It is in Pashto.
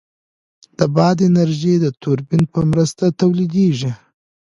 د باد انرژي د توربین په مرسته تولیدېږي.